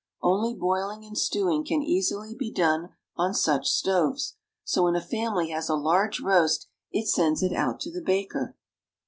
Only boiling and stewing can easily be done on such stoves ; so when a family has a large roast it sends it out to the baker.